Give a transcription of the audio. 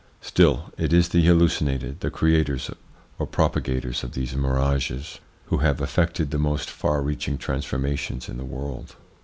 Still it is the hallucinated, the creators or propa gators of these mirages, who have effected the most far reaching transformations in the world.